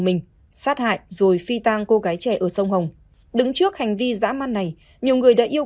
mình sát hại rồi phi tang cô gái trẻ ở sông hồng đứng trước hành vi giã man này nhiều người đã yêu